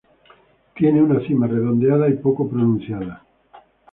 Tiene una cima redondeada y poco pronunciada.